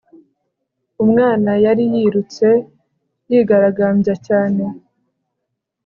umwana yari yirutse, yigaragambya cyane